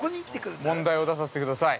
問題を出させてください。